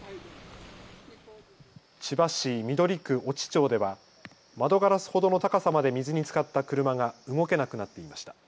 千葉市緑区越智町では窓ガラスほどの高さまで水につかった車が動けなくなっていました。